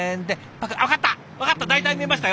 分かった！